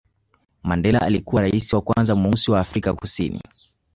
mandela alikuwa raisi wa kwanza mweusi wa afrika kusini